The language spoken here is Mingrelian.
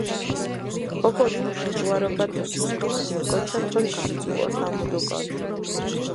ოკოდჷ მუშ უნტუარობათ დო სისქვამათ ირკოჩშა თოლი გამწუჸოთამუდუკონ.